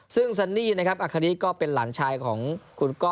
ซึ่งซันนี่นะครับอาคาริก็เป็นหลานชายของคุณก้อ